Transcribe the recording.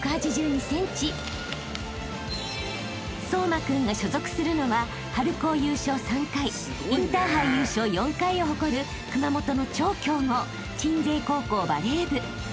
［颯真君が所属するのは春高優勝３回インターハイ優勝４回を誇る熊本の超強豪鎮西高校バレー部］